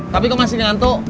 tapi kok masih ngantuk